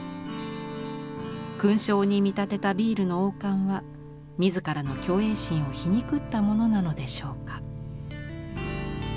勲章に見立てたビールの王冠は自らの虚栄心を皮肉ったものなのでしょうか？